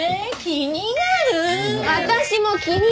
気になる！